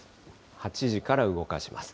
８時から動かします。